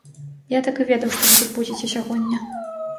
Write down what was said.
Я так і ведаў, што вы тут будзеце сягоння.